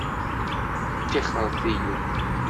Tixxṛet-iyi!